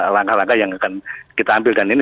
langkah langkah yang akan kita ambilkan ini